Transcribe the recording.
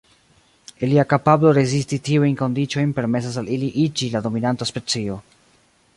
Ilia kapablo rezisti tiujn kondiĉojn permesas al ili iĝi la dominanta specio.